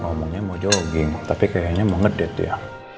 ngomongnya mau jogging tapi kayaknya mau ngedate ya